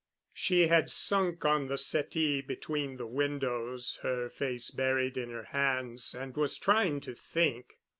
She had sunk on the settee between the windows, her face buried in her hands, and was trying to think.